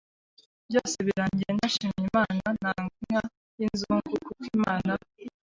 byose birangiye nashimye Imana ntanga inka y’inzungu kuko Imana